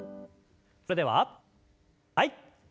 それでははい。